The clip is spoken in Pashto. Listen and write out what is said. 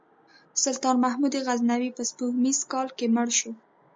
سلطان محمود غزنوي په سپوږمیز کال کې مړ شو.